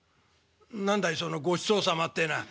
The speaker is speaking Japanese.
「何だいその『ごちそうさま』ってえのは」。